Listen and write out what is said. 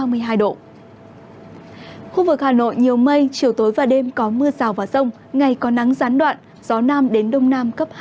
khu vực hà nội nhiều mây chiều tối và đêm có mưa rào và rông ngày có nắng gián đoạn gió nam đến đông nam cấp hai